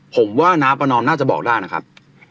ผมว่าน้าประนอมน่าจะบอกได้นะครับ